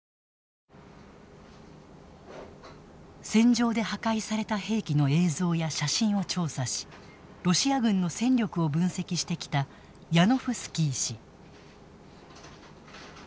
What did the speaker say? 戦場で破壊された兵器の映像や写真を調査しロシア軍の戦力を分析してきたヤノフスキー氏。